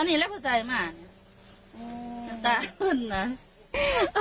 อันนี้แล้วผู้ใจมากน่ะ